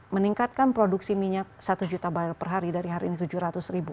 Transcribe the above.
meningkatkan produksi minyak satu juta barrel per hari dari hari ini tujuh ratus ribu